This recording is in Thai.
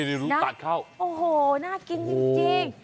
นี่ตัดเข้าโอ้โหน่ากินจริง